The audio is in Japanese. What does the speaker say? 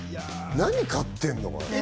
何買ってんのかな？